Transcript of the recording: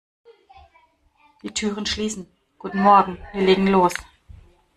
Die Türen schließen - Guten morgen, wir legen los!